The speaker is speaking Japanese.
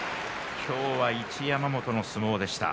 今日は一山本の相撲でした。